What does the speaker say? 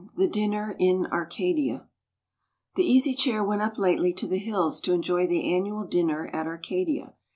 THE DINNER IN ARCADIA. The Easy Chair went up lately to the hills to enjoy the annual dinner at Arcadia.